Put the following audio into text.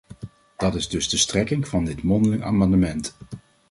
Dat is dus de strekking van dit mondeling amendement.